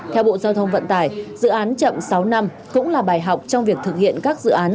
theo bộ giao thông vận tải dự án chậm sáu năm cũng là bài học trong việc thực hiện các dự án